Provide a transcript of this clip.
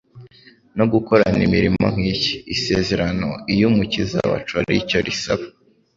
no gukora imirimo nk'iye. Isezerano iy'Umukiza wacu hari icyo risaba-